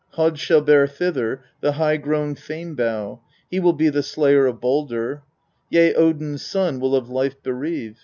9. ' Hod shall bear thither the high grown Fame bough, he will be the slayer of Baldr, yea, Odin's son will of life bereave.